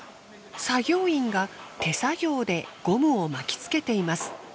作業員が手作業でゴムを巻き付けています。